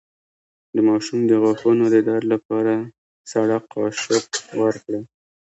د ماشوم د غاښونو د درد لپاره سړه قاشق ورکړئ